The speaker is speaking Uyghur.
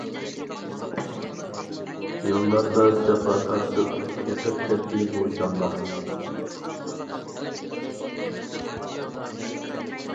يوللاردا جاپا تارتىپ، ئېقىپ كەتتى بۇ جانلار.